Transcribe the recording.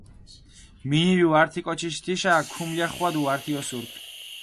მინილუ ართი კოჩიში თიშა, ქუმლახვადუ ართი ოსურქ.